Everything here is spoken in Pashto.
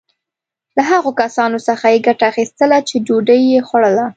له هغو کسانو څخه یې ګټه اخیستله چې ډوډی یې خوړله.